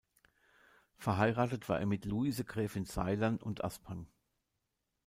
Verheiratet war er mit Luise Gräfin Seilern und Aspang.